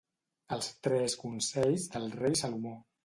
Els tres consells del rei Salomó.